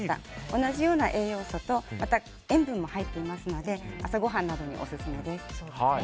同じような栄養素とまた、塩分が入っていますので朝ごはんなどにオススメです。